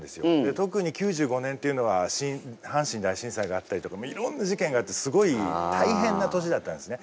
特に９５年というのは阪神大震災があったりとかいろんな事件があってすごい大変な年だったんですね。